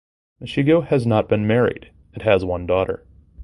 Mashego has not been married and has one daughter.